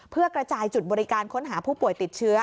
เพื่อกระจายจุดบริการค้นหาผู้ป่วยติดเชื้อ